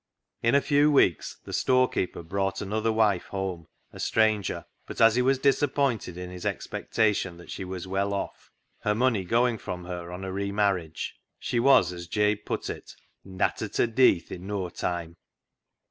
In a few weeks the storekeeper brought another wife home, a stranger, but as he was disappointed in his expectation that she was well off, — her money going from her on her re marriage, — she was, as Jabe put it, " nattered ta deeath i' noa time."